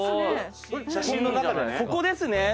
ここですね。